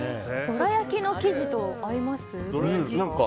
どら焼きの生地と合いますか？